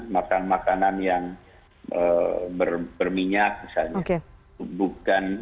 makan makanan yang berminyak misalnya